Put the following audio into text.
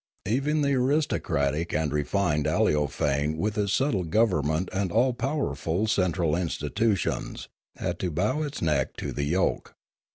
Even the aristocratic and refined Aleofane with its subtle government and all powerful central institutions had to bow its neck to the yoke.